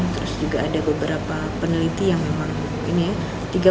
terus juga ada beberapa peneliti yang memang ini ya